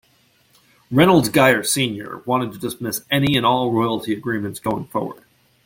Reynolds Guyer Senior wanted to dismiss any and all royalty agreements going forward.